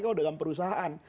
apalagi dalam perusahaan